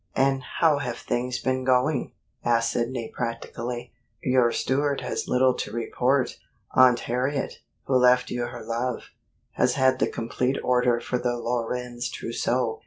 "And how have things been going?" asked Sidney practically. "Your steward has little to report. Aunt Harriet, who left you her love, has had the complete order for the Lorenz trousseau.